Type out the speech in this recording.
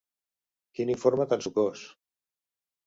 Quin informe tan sucós!